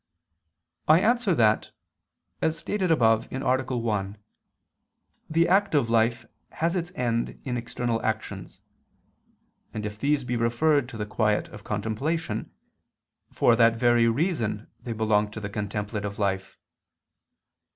I answer that, As stated above (A. 1), the active life has its end in external actions: and if these be referred to the quiet of contemplation, for that very reason they belong to the contemplative life.